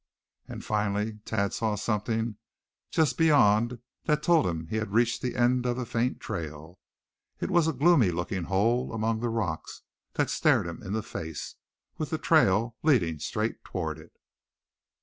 And finally Thad saw something just beyond that told him he had reached the end of the faint trail. It was a gloomy looking hole among the rocks that stared him in the face, with the trail leading straight toward it.